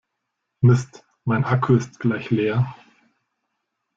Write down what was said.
Mist, mein Akku ist gleich leer.